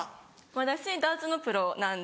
私ダーツのプロなんで。